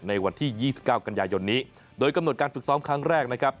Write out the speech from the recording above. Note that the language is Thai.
ในวันที่๒๙กันยายนนี้โดยกำหนดการฝึกซ้อมครั้งแรกนะครับ